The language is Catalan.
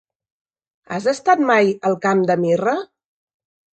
Has estat mai al Camp de Mirra?